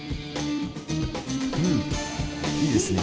うんいいですね。